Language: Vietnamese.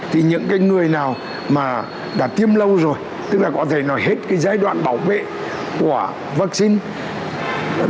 thì những cái người nào mà đã tiêm lâu rồi tức là có thể nói hết cái giai đoạn bảo vệ của vaccine